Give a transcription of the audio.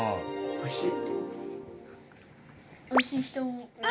おいしい？